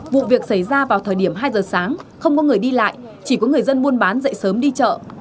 vụ việc xảy ra vào thời điểm hai giờ sáng không có người đi lại chỉ có người dân buôn bán dậy sớm đi chợ